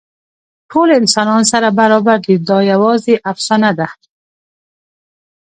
ټول انسانان سره برابر دي، دا یواځې افسانه ده.